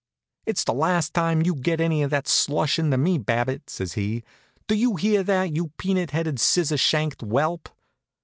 "It's the last time you get any of that slush into me, Babbitt," says he. "Do you hear that, you peanut headed, scissor shanked whelp?"